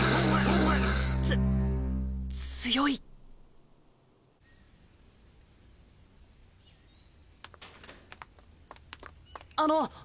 つ強いあのっ。